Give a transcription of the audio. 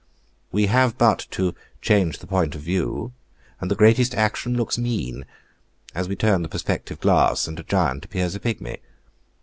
We have but to change the point of view, and the greatest action looks mean; as we turn the perspective glass, and a giant appears a pigmy.